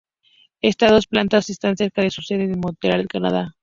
Estas dos plantas están cerca de su sede en Montreal, Canadá.